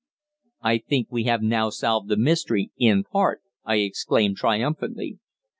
"I think we have now solved the mystery in part," I exclaimed triumphantly.